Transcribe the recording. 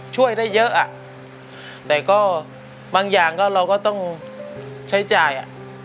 ช่วยได้เยอะอ่ะแต่ก็บางอย่างก็เราก็ต้องใช้จ่ายอ่ะ